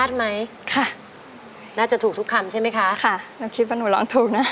น้องคิดว่าหนูร้องถูกนะค่ะน้องคิดว่าหนูร้องถูกนะ